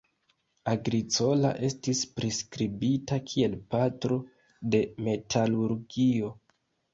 Agricola estis priskribita kiel "patro de metalurgio".